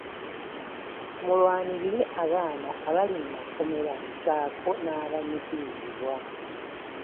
Mulwanirire abaana abali mu makomera ssaako n’abanyigirizibwa.